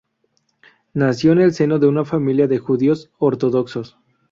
Nació en el seno de una familia de judíos ortodoxos.